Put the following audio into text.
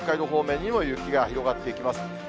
方面にも雪が広がっていきます。